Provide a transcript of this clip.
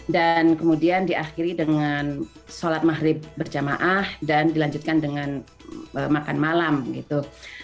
dan kemudian diakhiri dengan sholat mahrib berjamaah dan dilanjutkan dengan makan malam gitu